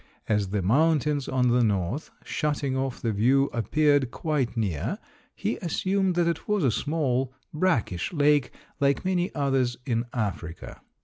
As the mountains on the north, shutting off the view, appeared quite near, he assumed that it was a small, brackish lake, like many others in Africa.